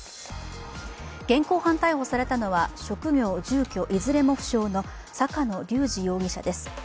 現行犯逮捕されたのは職業・住居いずれも不詳の坂野隆治容疑者です。